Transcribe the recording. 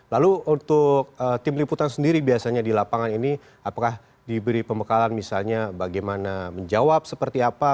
lalu untuk tim liputan sendiri biasanya di lapangan ini apakah diberi pembekalan misalnya bagaimana menjawab seperti apa